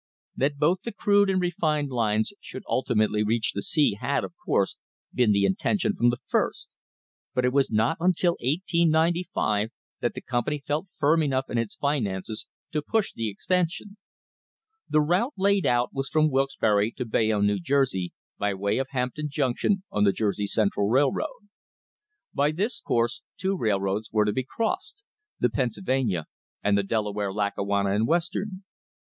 That both the crude and refined lines should ultimately reach the sea had, of course, been the intention from the first. But it was not until 1895 that the company felt firm enough in its finances to push the extension. The route laid out was from Wilkes barre to Bayonne, New Jersey, by way of Hampton Junc tion, on the Jersey Central Railroad. By this course two railroads were to be crossed, the Pennsylvania and the Dela ware, Lackawanna and Western.